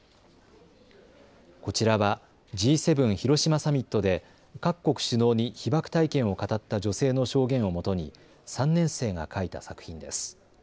こちらはＧ７広島サミットで各国首脳に被爆体験を語った女性の証言をもとに３年生が描いた作品です。